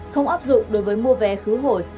không áp dụng đối với mua vé khứ hồi